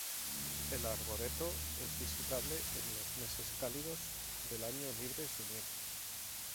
El arboreto es visitable en los meses cálidos del año libres de nieve.